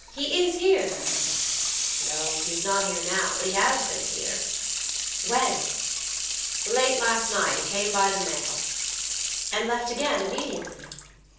"He is here, then?" "No, he is not here now; but he has been here." "When?" "Late last night; he came by the mail." "And left again immediately?"